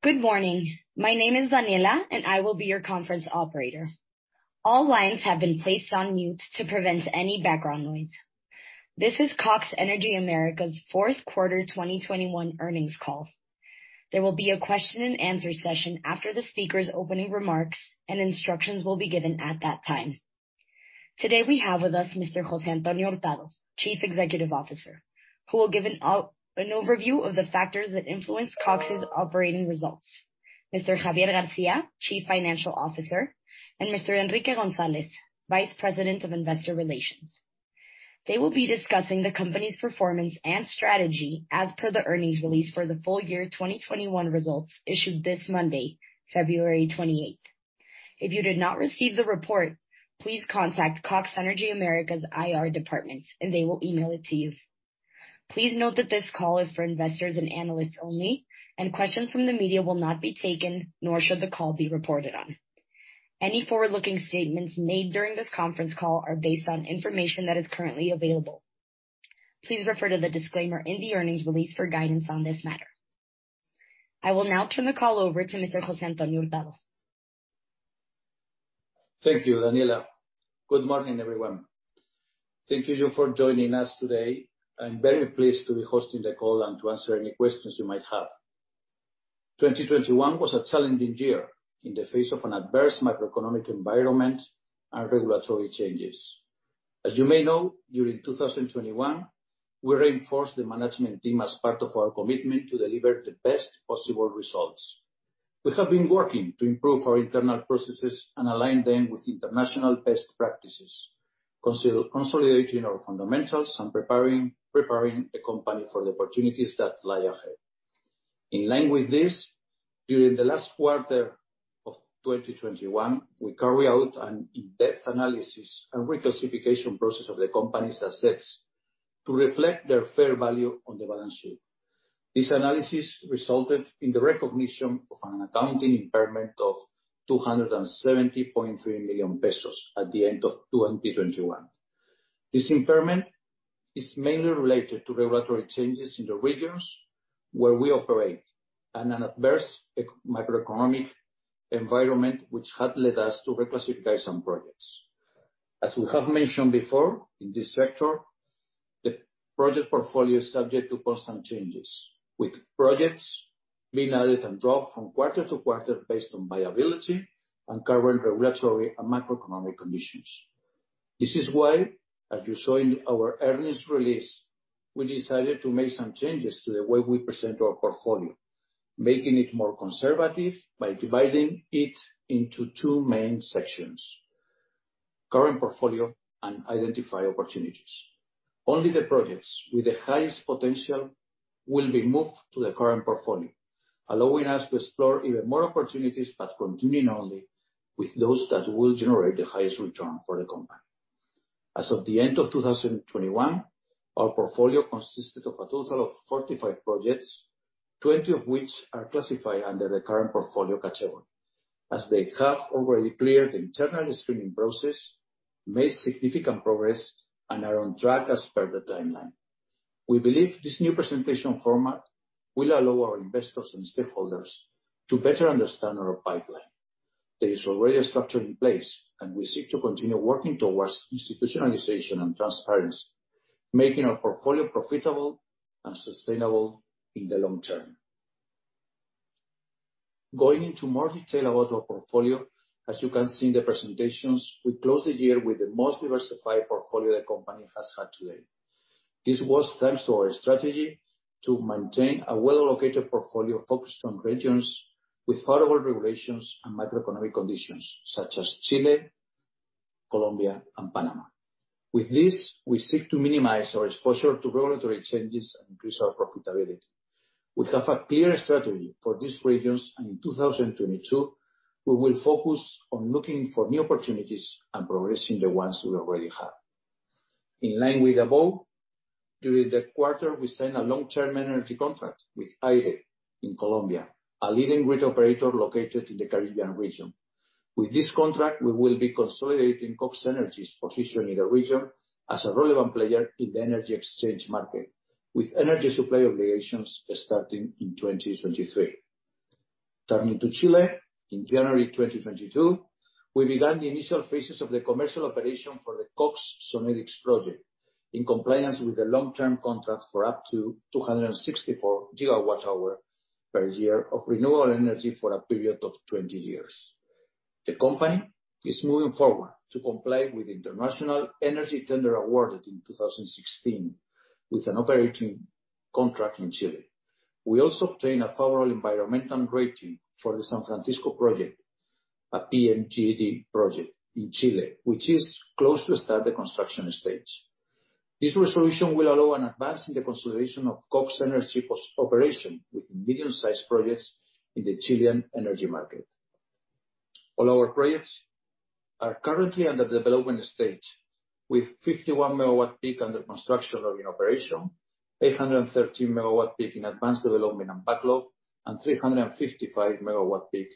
Good morning. My name is Daniela, and I will be your conference operator. All lines have been placed on mute to prevent any background noise. This is Cox Energy América's fourth quarter 2021 earnings call. There will be a question and answer session after the speaker's opening remarks, and instructions will be given at that time. Today, we have with us Mr. José Antonio Hurtado, Chief Executive Officer, who will give an overview of the factors that influenced Cox's operating results. Mr. Javier García, Chief Financial Officer, and Mr. Enrique González, Vice President of Investor Relations. They will be discussing the company's performance and strategy as per the earnings release for the full year 2021 results issued this Monday, February 28. If you did not receive the report, please contact Cox Energy América IR department, and they will email it to you. Please note that this call is for investors and analysts only, and questions from the media will not be taken, nor should the call be reported on. Any forward-looking statements made during this conference call are based on information that is currently available. Please refer to the disclaimer in the earnings release for guidance on this matter. I will now turn the call over to Mr. José Antonio Hurtado. Thank you, Daniela. Good morning, everyone. Thank you for joining us today. I'm very pleased to be hosting the call and to answer any questions you might have. 2021 was a challenging year in the face of an adverse macroeconomic environment and regulatory changes. As you may know, during 2021, we reinforced the management team as part of our commitment to deliver the best possible results. We have been working to improve our internal processes and align them with international best practices, consolidating our fundamentals and preparing the company for the opportunities that lie ahead. In line with this, during the last quarter of 2021, we carry out an in-depth analysis and reclassification process of the company's assets to reflect their fair value on the balance sheet. This analysis resulted in the recognition of an accounting impairment of 270.3 million pesos at the end of 2021. This impairment is mainly related to regulatory changes in the regions where we operate and an adverse economic and macroeconomic environment which had led us to reclassify some projects. As we have mentioned before, in this sector, the project portfolio is subject to constant changes, with projects being added and dropped from quarter to quarter based on viability and current regulatory and macroeconomic conditions. This is why, as you saw in our earnings release, we decided to make some changes to the way we present our portfolio, making it more conservative by dividing it into two main sections, current portfolio and identified opportunities. Only the projects with the highest potential will be moved to the current portfolio, allowing us to explore even more opportunities, but continuing only with those that will generate the highest return for the company. As of the end of 2021, our portfolio consisted of a total of 45 projects, 20 of which are classified under the current portfolio category, as they have already cleared the internal screening process, made significant progress, and are on track as per the timeline. We believe this new presentation format will allow our investors and stakeholders to better understand our pipeline. There is already a structure in place, and we seek to continue working towards institutionalization and transparency, making our portfolio profitable and sustainable in the long term. Going into more detail about our portfolio, as you can see in the presentations, we closed the year with the most diversified portfolio the company has had to date. This was thanks to our strategy to maintain a well-located portfolio focused on regions with favorable regulations and macroeconomic conditions such as Chile, Colombia, and Panama. With this, we seek to minimize our exposure to regulatory changes and increase our profitability. We have a clear strategy for these regions, and in 2022, we will focus on looking for new opportunities and progressing the ones we already have. In line with the above, during the quarter, we signed a long-term energy contract with Air-e in Colombia, a leading grid operator located in the Caribbean region. With this contract, we will be consolidating Cox Energy's position in the region as a relevant player in the energy exchange market, with energy supply obligations starting in 2023. Turning to Chile, in January 2022, we began the initial phases of the commercial operation for the Cox Sonnedix Project, in compliance with the long-term contract for up to 264 gigawatt-hour per year of renewable energy for a period of 20 years. The company is moving forward to comply with the international energy tender awarded in 2016, with an operating contract in Chile. We also obtained a favorable environmental rating for the San Francisco project, a PMGD project in Chile, which is close to start the construction stage. This resolution will allow an advance in the consolidation of Cox Energy post-operation with medium-sized projects in the Chilean energy market. All our projects are currently under development stage, with 51 MW-peak under construction or in operation, 813 MW-peak in advanced development and backlog, and 355 MW-peak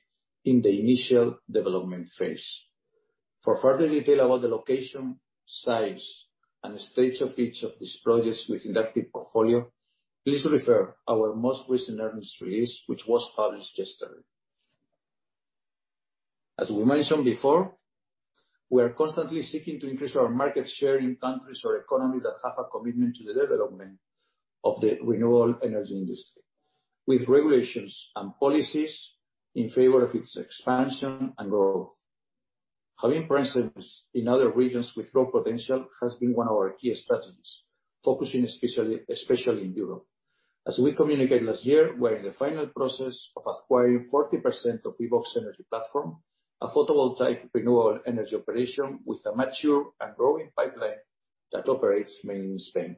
in the initial development phase. For further detail about the location, size, and the stage of each of these projects within that portfolio, please refer to our most recent earnings release, which was published yesterday. We mentioned before, we are constantly seeking to increase our market share in countries or economies that have a commitment to the development of the renewable energy industry, with regulations and policies in favor of its expansion and growth. Having presence in other regions with growth potential has been one of our key strategies, focusing especially in Europe. As we communicated last year, we're in the final process of acquiring 40% of Ibox Energy platform, a photovoltaic renewable energy operation with a mature and growing pipeline that operates mainly in Spain.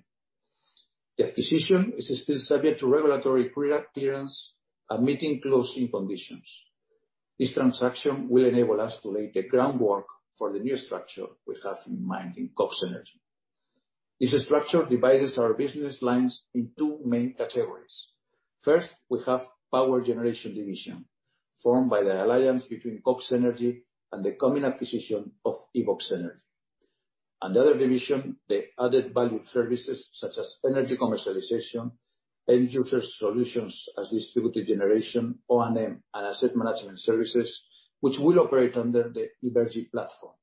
The acquisition is still subject to regulatory pre-clearance and meeting closing conditions. This transaction will enable us to lay the groundwork for the new structure we have in mind in Cox Energy. This structure divides our business lines in two main categories. First, we have power generation division, formed by the alliance between Cox Energy and the coming acquisition of Ibox Energy. Another division, the added value services such as energy commercialization, end user solutions as distributed generation, O&M, and asset management services, which will operate under the Ibergy platform.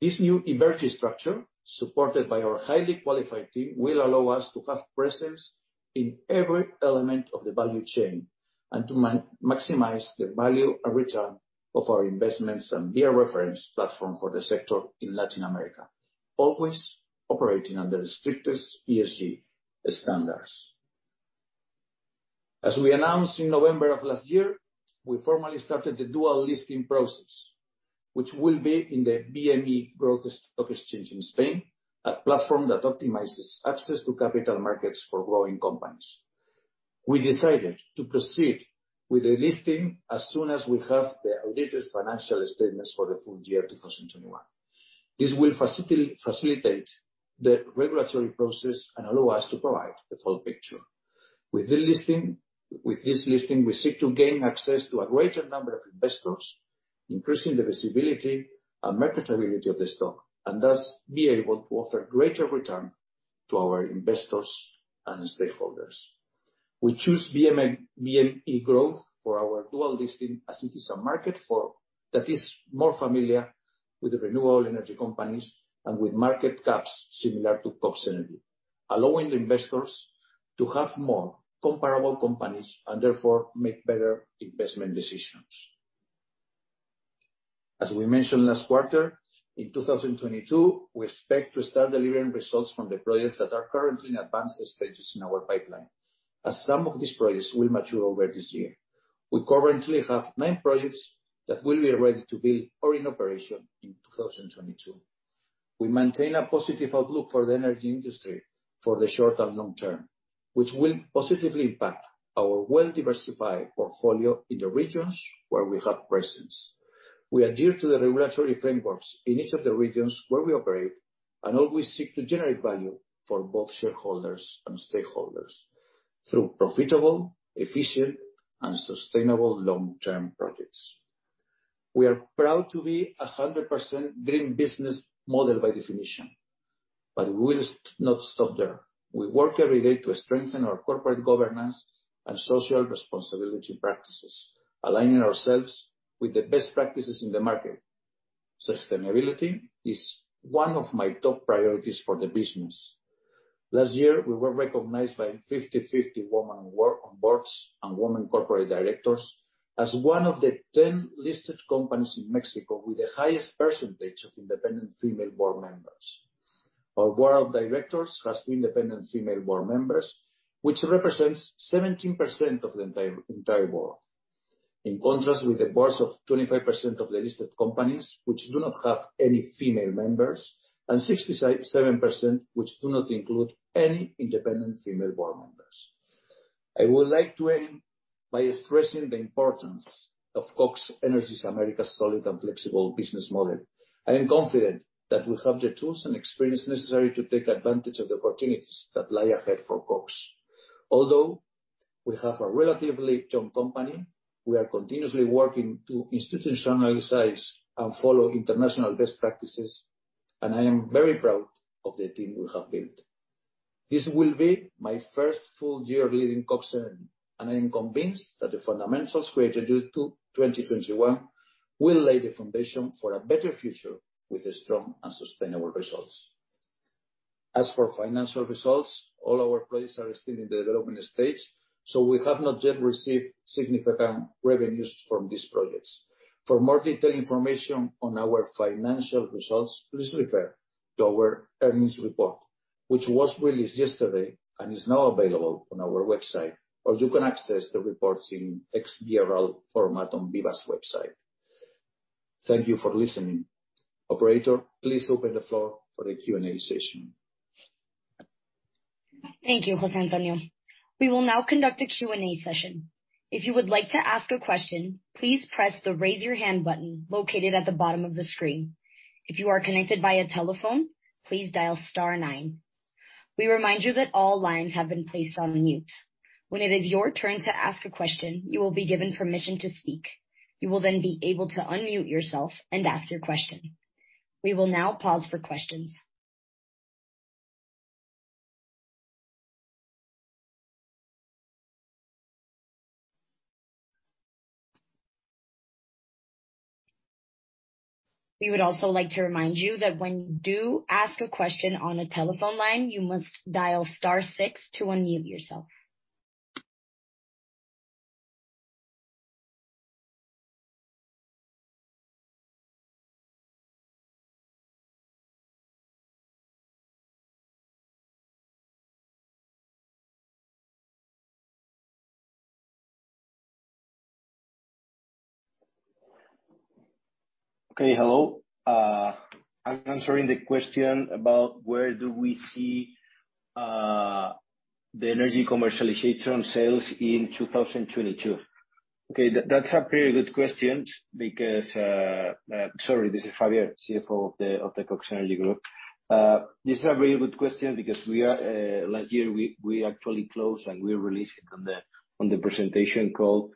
This new Ibergy structure, supported by our highly qualified team, will allow us to have presence in every element of the value chain and to maximize the value and return of our investments and be a reference platform for the sector in Latin America, always operating under the strictest ESG standards. As we announced in November of last year, we formally started the dual listing process, which will be in the BME Growth Stock Exchange in Spain, a platform that optimizes access to capital markets for growing companies. We decided to proceed with the listing as soon as we have the audited financial statements for the full year 2021. This will facilitate the regulatory process and allow us to provide the full picture. With this listing, we seek to gain access to a greater number of investors, increasing the visibility and marketability of the stock, and thus be able to offer greater return to our investors and stakeholders. We choose BME Growth for our dual listing as it is a market that is more familiar with the renewable energy companies and with market caps similar to Cox Energy, allowing investors to have more comparable companies and therefore make better investment decisions. As we mentioned last quarter, in 2022, we expect to start delivering results from the projects that are currently in advanced stages in our pipeline, as some of these projects will mature over this year. We currently have nine projects that will be ready to build or in operation in 2022. We maintain a positive outlook for the energy industry for the short and long term, which will positively impact our well-diversified portfolio in the regions where we have presence. We adhere to the regulatory frameworks in each of the regions where we operate and always seek to generate value for both shareholders and stakeholders through profitable, efficient, and sustainable long-term projects. We are proud to be a 100% green business model by definition, but we'll not stop there. We work every day to strengthen our corporate governance and social responsibility practices, aligning ourselves with the best practices in the market. Sustainability is one of my top priorities for the business. Last year, we were recognized by 50/50 Women on Boards and Women Corporate Directors, as one of the 10 listed companies in Mexico with the highest percentage of independent female board members. Our board of directors has two independent female board members, which represents 17% of the entire board. In contrast with the boards of 25% of the listed companies which do not have any female members and 67% which do not include any independent female board members. I would like to end by expressing the importance of Cox Energy América's solid and flexible business model. I am confident that we have the tools and experience necessary to take advantage of the opportunities that lie ahead for Cox. Although we have a relatively young company, we are continuously working to institutionalize and follow international best practices, and I am very proud of the team we have built. This will be my first full year leading Cox Energy, and I am convinced that the fundamentals created due to 2021 will lay the foundation for a better future with strong and sustainable results. As for financial results, all our projects are still in the development stage, so we have not yet received significant revenues from these projects. For more detailed information on our financial results, please refer to our earnings report, which was released yesterday and is now available on our website, or you can access the reports in XBRL format on BIVA's website. Thank you for listening. Operator, please open the floor for the Q&A session. Thank you, José Antonio. We will now conduct a Q&A session. If you would like to ask a question, please press the Raise Your Hand button located at the bottom of the screen. If you are connected via telephone, please dial star nine. We remind you that all lines have been placed on mute. When it is your turn to ask a question, you will be given permission to speak. You will then be able to unmute yourself and ask your question. We will now pause for questions. We would also like to remind you that when you do ask a question on a telephone line, you must dial star six to unmute yourself. Hello. I'm answering the question about where do we see the energy commercialization sales in 2022. That's a very good question because— Sorry, this is Javier, CFO of the Cox Energy Group. This is a very good question because last year, we actually closed, and we released it on the presentation call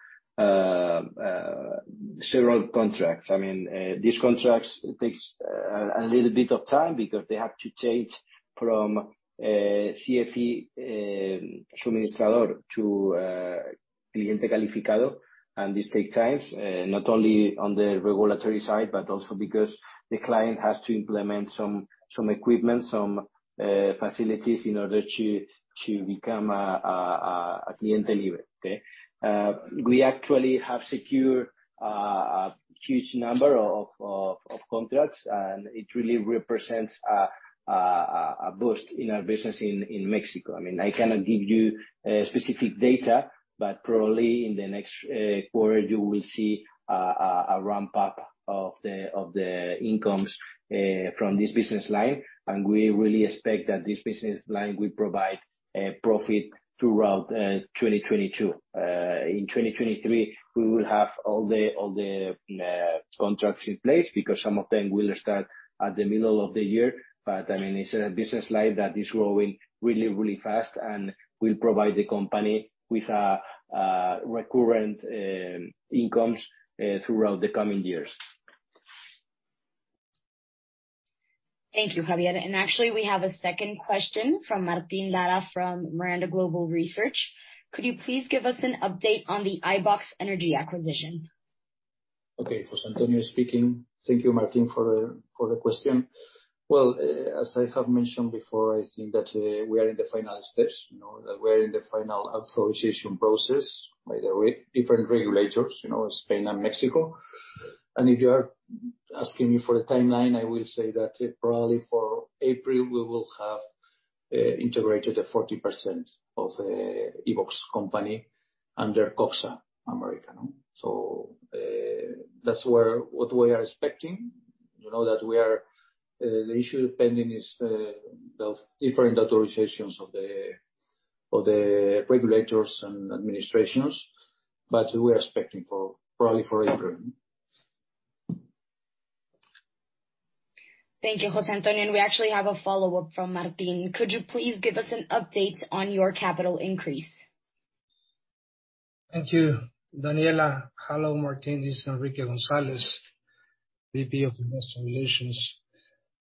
several contracts. I mean, these contracts takes a little bit of time because they have to change from CFE, Suministrador to Cliente Calificado, and this take time, not only on the regulatory side, but also because the client has to implement some equipment, some facilities in order to become a Cliente Calificado. Okay? We actually have secured a huge number of contracts, and it really represents a boost in our business in Mexico. I mean, I cannot give you specific data, but probably in the next quarter, you will see a ramp-up of the incomes from this business line. We really expect that this business line will provide profit throughout 2022. In 2023, we will have all the contracts in place because some of them will start at the middle of the year. I mean, it's a business line that is growing really fast and will provide the company with recurrent incomes throughout the coming years. Thank you, Javier. Actually, we have a second question from Martín Lara from Miranda Global Research. Could you please give us an update on the Ibox Energy acquisition? José Antonio speaking. Thank you, Martín, for the question. Well, as I have mentioned before, I think that we are in the final steps, you know, that we're in the final authorization process by the different regulators, you know, Spain and Mexico. If you are asking me for the timeline, I will say that probably for April, we will have integrated the 40% of Ibox company under Cox Energy América. That's what we are expecting. You know that the issue pending is the different authorizations of the regulators and administrations, but we're expecting probably for April. Thank you, José Antonio. We actually have a follow-up from Martín. Could you please give us an update on your capital increase? Thank you, Daniela. Hello, Martín. This is Enrique González, VP of Investor Relations.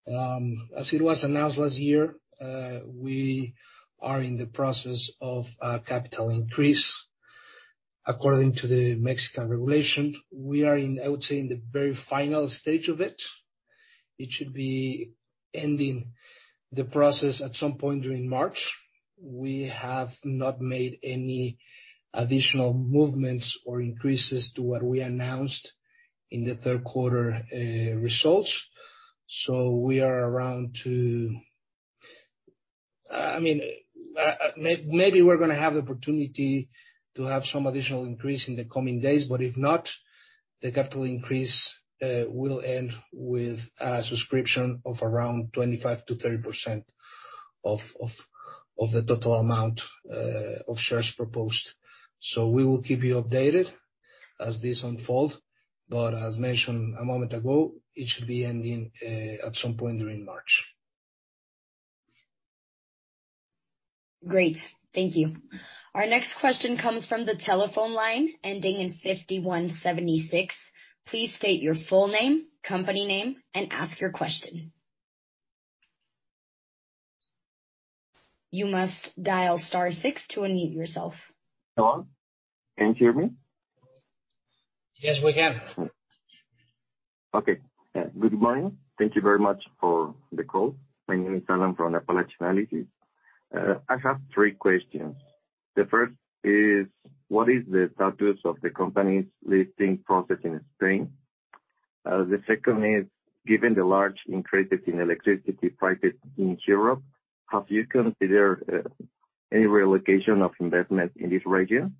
As it was announced last year, we are in the process of a capital increase. According to the Mexican regulations, we are, I would say, in the very final stage of it. It should be ending the process at some point during March. We have not made any additional movements or increases to what we announced in the third quarter results. I mean, maybe we're gonna have the opportunity to have some additional increase in the coming days, but if not, the capital increase will end with a subscription of around 25%-30% of the total amount of shares proposed. We will keep you updated as this unfold, but as mentioned a moment ago, it should be ending at some point during March. Great. Thank you. Our next question comes from the telephone line ending in 5176. Please state your full name, company name, and ask your question. You must dial star six to unmute yourself. Hello? Can you hear me? Yes, we can. Okay. Good morning. Thank you very much for the call. My name is Alan from Appalachian Analysis. I have three questions. The first is, what is the status of the company's listing process in Spain? The second is, given the large increases in electricity prices in Europe, have you considered any relocation of investment in this region?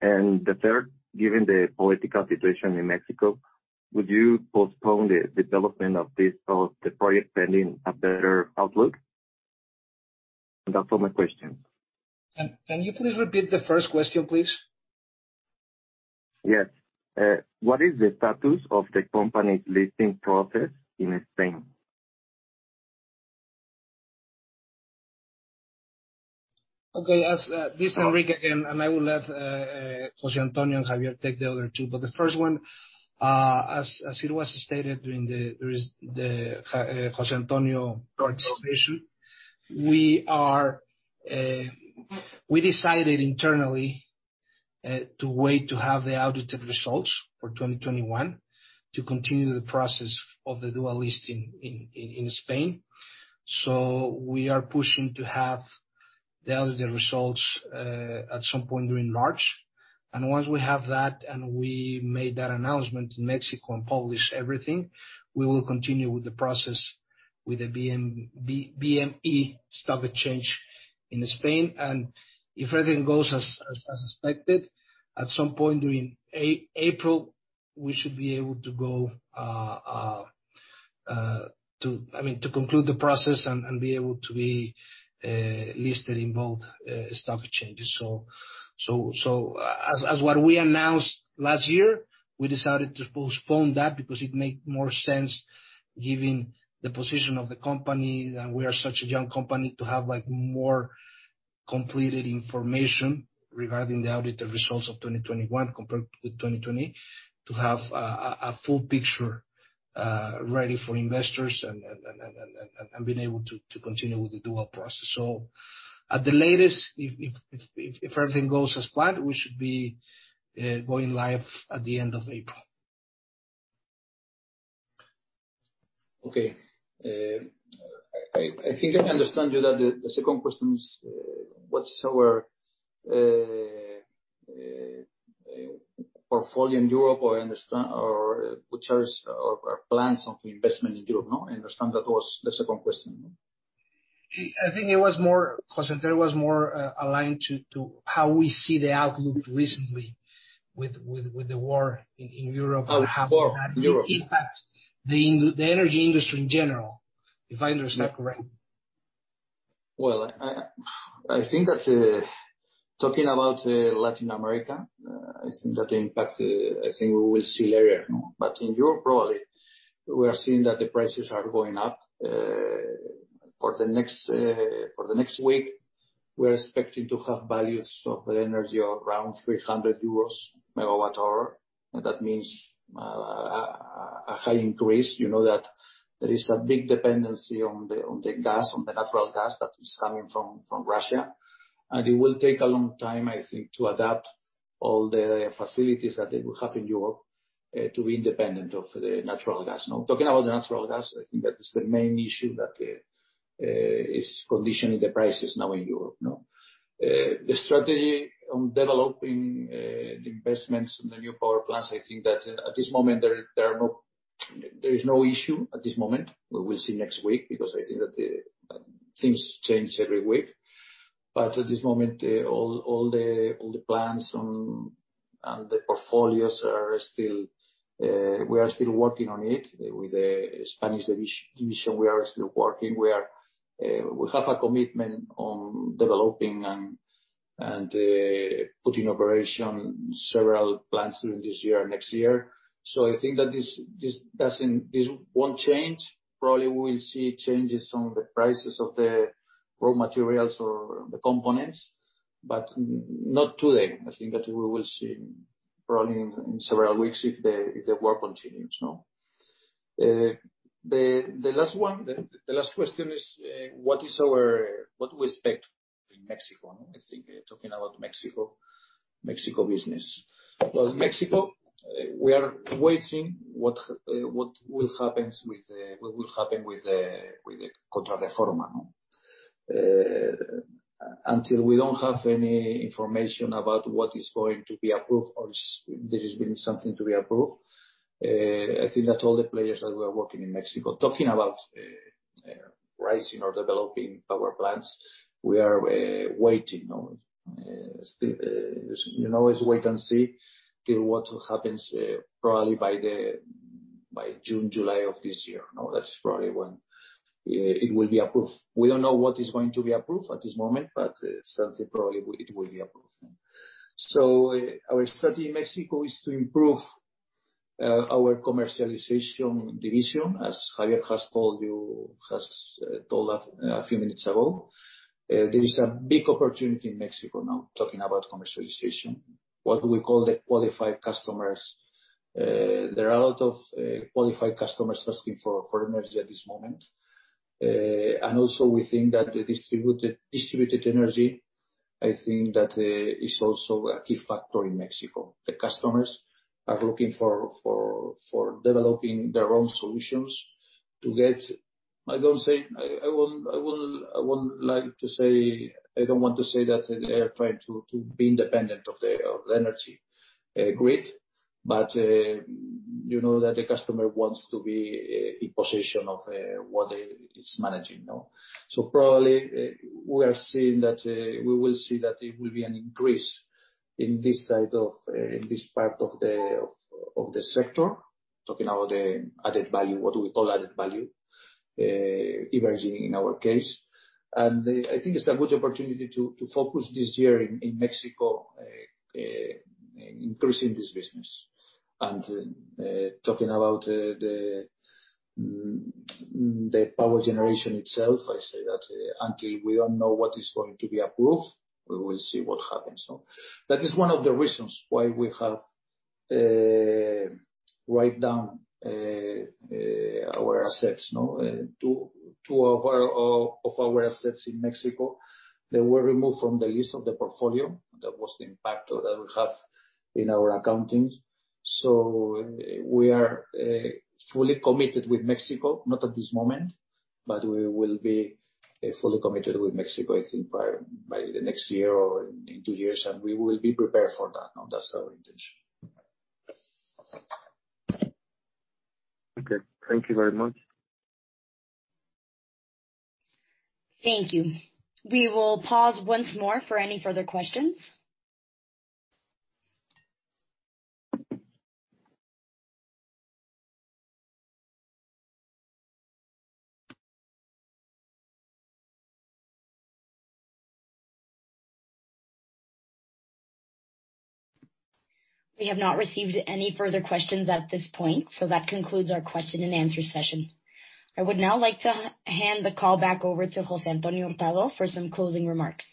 The third, given the political situation in Mexico, would you postpone the development of this or the project pending a better outlook? That's all my questions. Can you please repeat the first question, please? Yes. What is the status of the company's listing process in Spain? This is Enrique again, and I will let José Antonio and Javier take the other two. But the first one, as it was stated during the José Antonio presentation, we decided internally to wait to have the audited results for 2021 to continue the process of the dual listing in Spain. We are pushing to have the audited results at some point during March. Once we have that, we made that announcement in Mexico and publish everything, we will continue with the process with the BME stock exchange in Spain. If everything goes as expected, at some point during April, we should be able to go, I mean, to conclude the process and be able to be listed in both stock exchanges. As what we announced last year, we decided to postpone that because it make more sense given the position of the company, that we are such a young company, to have, like, more completed information regarding the audited results of 2021 compared with 2020, to have a full picture ready for investors and being able to continue with the dual process. At the latest, if everything goes as planned, we should be going live at the end of April. Okay. I think I understand you that the second question is, what's our portfolio in Europe or which are our plans of investment in Europe, no? I understand that was the second question, no? I think, José Antonio, it was more aligned to how we see the outlook recently with the war in Europe. Oh, the war in Europe. How will that impact the energy industry in general, if I understand correctly? Well, I think talking about Latin America, I think we will see that impact later, no. In Europe, probably, we are seeing that the prices are going up. For the next week, we're expecting to have values of energy around 300 euros/MWh. That means a high increase. You know that there is a big dependency on the gas, on the natural gas that is coming from Russia, and it will take a long time, I think, to adapt all the facilities that they will have in Europe to be independent of the natural gas, no. Talking about the natural gas, I think that is the main issue that is conditioning the prices now in Europe, no. The strategy on developing the investments in the new power plants, I think that at this moment there is no issue at this moment. We will see next week because I think that things change every week. At this moment, all the plans and the portfolios are still, we are still working on it. With the Spanish division, we are still working. We have a commitment on developing and putting operation several plants during this year, next year. I think that this won't change. Probably we will see changes on the prices of the raw materials or the components, but not today. I think that we will see probably in several weeks if the war continues, no. The last question is what do we expect in Mexico? I think talking about Mexico business. Well, in Mexico, we are waiting what will happen with the contra reforma. Until we don't have any information about what is going to be approved or there is going to be something approved, I think that all the players that were working in Mexico, talking about raising or developing power plants, we are waiting. You know, it's wait and see till what will happen, probably by June, July of this year. That's probably when it will be approved. We don't know what is going to be approved at this moment, but since it probably will be approved. Our strategy in Mexico is to improve our commercialization division, as Javier has told you a few minutes ago. There is a big opportunity in Mexico now, talking about commercialization. What we call the qualified customers. There are a lot of qualified customers asking for energy at this moment. Also we think that the distributed energy, I think that, is also a key factor in Mexico. The customers are looking for developing their own solutions to get. I wouldn't like to say. I don't want to say that they're trying to be independent of the energy grid, but you know that the customer wants to be in position of what they are managing, no? Probably we are seeing that we will see that it will be an increase in this side, in this part of the sector. Talking about the added value, what we call added value emerging in our case. I think it's a good opportunity to focus this year in Mexico increasing this business. Talking about the power generation itself, I say that until we don't know what is going to be approved, we will see what happens. That is one of the reasons why we have written down our assets, you know. Two of our assets in Mexico were removed from the list of the portfolio. That was the impact that we have in our accounting. We are fully committed with Mexico, not at this moment, but we will be fully committed with Mexico, I think by the next year or in two years, and we will be prepared for that. That's our intention. Okay. Thank you very much. Thank you. We will pause once more for any further questions. We have not received any further questions at this point, so that concludes our question and answer session. I would now like to hand the call back over to José Antonio Hurtado de Mendoza for some closing remarks.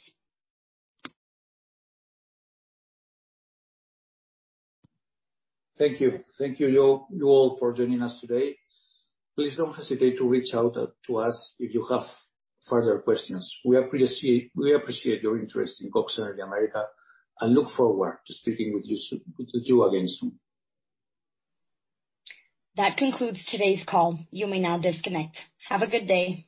Thank you all for joining us today. Please don't hesitate to reach out to us if you have further questions. We appreciate your interest in Cox Energy América, and look forward to speaking with you soon, with you again soon. That concludes today's call. You may now disconnect. Have a good day.